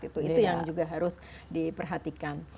itu yang juga harus diperhatikan